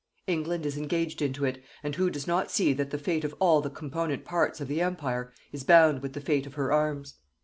England is engaged into it, and who does not see that the fate of all the component parts of the Empire is bound with the fate of her arms.